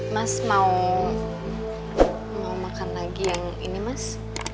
mas mau mau makan lagi yang ini mas